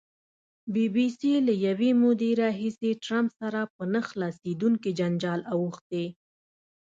بي بي سي له یوې مودې راهیسې ټرمپ سره په نه خلاصېدونکي جنجال اوښتې.